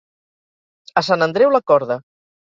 A Sant Andreu, la corda.